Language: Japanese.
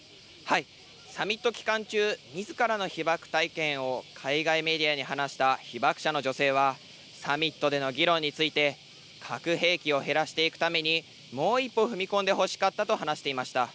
サミット期間中、みずからの被爆体験を海外メディアに話した被爆者の女性は、サミットでの議論について、核兵器を減らしていくために、もう一歩踏み込んでほしかったと話していました。